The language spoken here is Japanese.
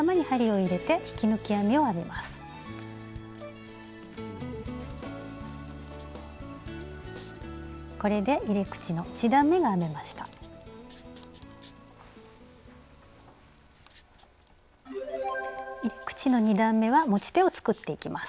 入れ口の２段めは持ち手を作っていきます。